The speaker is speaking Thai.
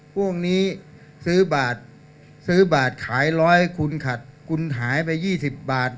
พวกนี้ซื้อบทขายร้อยคุณขัดคุณหายไป๒๐บท